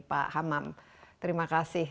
pak hamam terima kasih